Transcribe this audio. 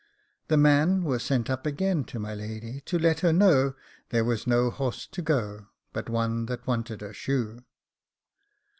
The man was sent up again to my lady, to let her know there was no horse to go, but one that wanted a shoe.